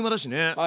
はい。